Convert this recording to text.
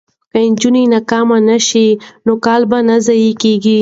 که نجونې ناکامې نه شي نو کال به نه ضایع کیږي.